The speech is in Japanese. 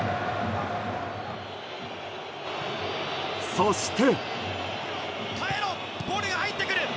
そして。